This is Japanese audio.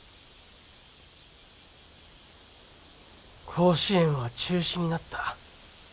甲子園は中止になった。